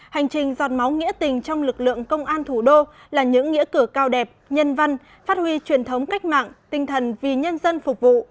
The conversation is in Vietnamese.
hành trình giọt máu nghĩa tình trong lực lượng công an thủ đô là những nghĩa cử cao đẹp nhân văn phát huy truyền thống cách mạng tinh thần vì nhân dân phục vụ